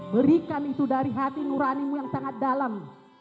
berikan itu dari hati nuranimu yang sangat dalam